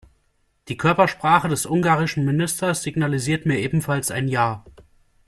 Die Körpersprache des ungarischen Ministers signalisiert mir ebenfalls ein Ja.